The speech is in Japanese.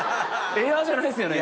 エアーじゃないですよね